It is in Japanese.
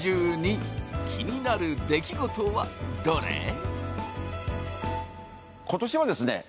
気になる出来事はどれ？